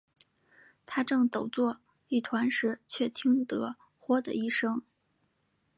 他正抖作一团时，却听得豁的一声